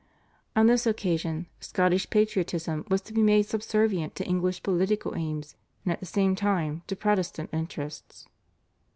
On this occasion Scottish patriotism was to be made subservient to English political aims and at the same time to Protestant interests.